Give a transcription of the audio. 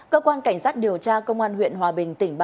cơ quan cảnh sát điều tra công an huyện hòa bình tỉnh bình phước